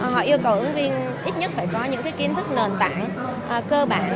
họ yêu cầu ứng viên ít nhất phải có những kiến thức nền tảng cơ bản